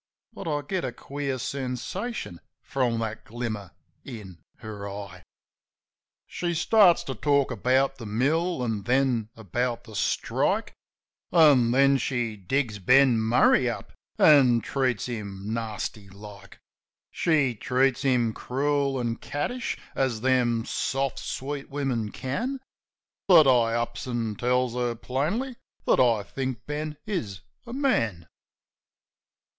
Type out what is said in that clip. But I get a queer sensation from that glimmer in her eye. She starts to talk about the mill, an' then about the strike, An' then she digs Ben Murray up an' treats him nasty like; She treats him crool an' cattish, as them soft, sweet women can. But I ups an' tells her plainly that I think Ben is a man.